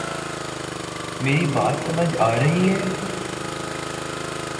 میری بات سمجھ آ رہی ہے